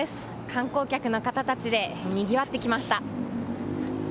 観光客の方たちでにぎわってきました。